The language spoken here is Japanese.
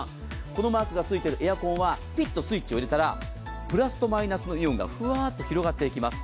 このマークがついているエアコンは、スイッチを入れたらプラスとマイナスのイオンが広がってきます。